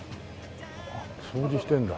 あっ掃除してるんだ。